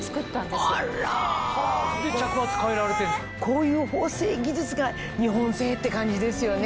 こういう縫製技術が日本製って感じですよね。